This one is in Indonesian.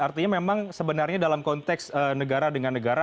artinya memang sebenarnya dalam konteks negara dengan negara